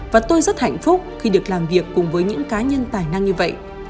và tôi rất hạnh phúc khi được làm việc cùng với những cá nhân tài năng như vậy